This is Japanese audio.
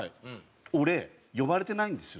俺呼ばれてないんですよ